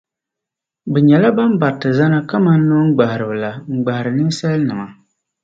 Bɛ nyɛla bɛn bariti zana kaman nooŋgbahiriba la n-gbahiri ninsalinima.